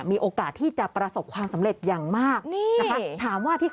มีโอกาสที่จะประสบความสำเร็จอย่างมากนี่นะคะ